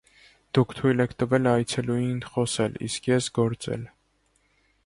Դուք թույլ եք տվել այցելուին խոսել, իսկ ես՝ գործել։